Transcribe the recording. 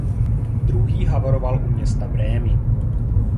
Druhý havaroval u města Brémy.